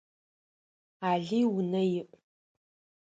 Алый унэ иӏ.